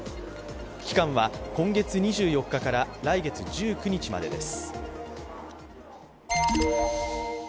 期間は今月２４日から来月１９日までです。